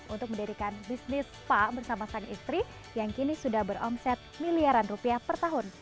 untuk mendirikan bisnis spa bersama sang istri yang kini sudah beromset miliaran rupiah per tahun